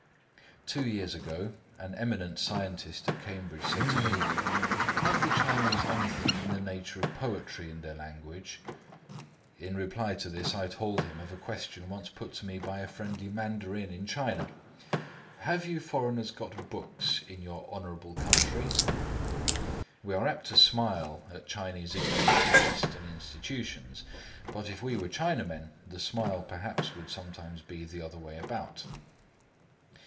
Two years ago, an eminent scientist at Cambridge said to me, "Have the Chinese anything in the nature of poetry in their language?" In reply to this, I told him of a question once put to me by a friendly Mandarin in China: "Have you foreigners got books in your honourable country?" We are apt to smile at Chinese ignorance of Western institutions; but if we were Chinamen, the smile perhaps would sometimes be the other way about.